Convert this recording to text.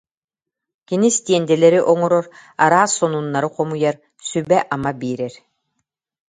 Кини стендэлэри оҥорор, араас сонуннары хомуйар, сүбэ-ама биэрэр